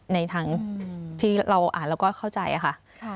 ในทางที่เราอ่านแล้วก็เข้าใจค่ะ